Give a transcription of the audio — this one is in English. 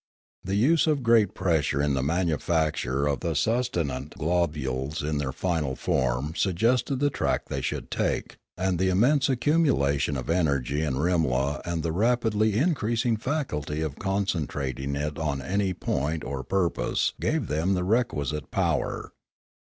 The use of great pressure in the manufacture of the sustenant globules in their final form suggested the track they should take; and the immense accumulation of energy in Rimla and the rapidly increasing faculty of concentrating it on any point or purpose gave them the requisite power.